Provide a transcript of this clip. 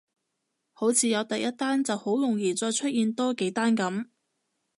好似有第一單就好容易再出現多幾單噉